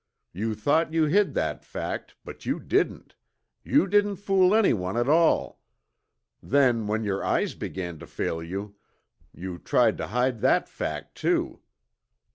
You thought you hid that fact, but you didn't! You didn't fool anyone at all. Then when your eyes began to fail you, you tried to hide that fact too.